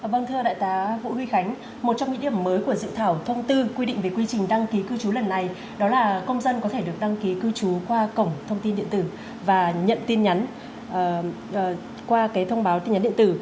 vâng thưa đại tá vũ huy khánh một trong những điểm mới của dự thảo thông tư quy định về quy trình đăng ký cư trú lần này đó là công dân có thể được đăng ký cư trú qua cổng thông tin điện tử và nhận tin nhắn qua thông báo tin nhắn điện tử